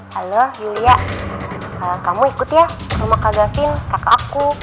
halo yulia kamu ikut ya ke rumah kak gavine kakak aku